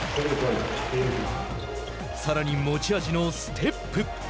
さらに、持ち味のステップ。